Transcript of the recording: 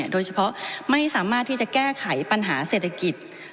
โดยเฉพาะไม่สามารถที่จะแก้ไขปัญหาเศรษฐกิจ